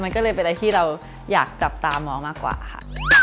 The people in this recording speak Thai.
มันก็เลยเป็นอะไรที่เราอยากจับตามองมากกว่าค่ะ